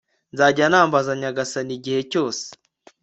nzajya nambaza nyagasani, igihe cyose